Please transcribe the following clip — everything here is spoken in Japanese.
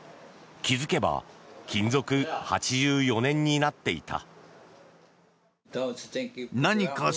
気付けば勤続８４年になっていた。